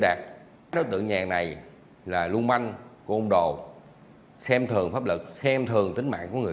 đạt nó tự nhàng này là lưu manh của ông đồ xem thường pháp luật xem thường tính mạng của người